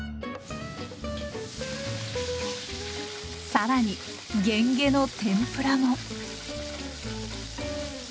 更にゲンゲの天ぷらも。